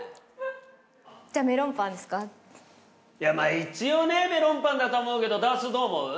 一応ねメロンパンだと思うけどダースーどう思う？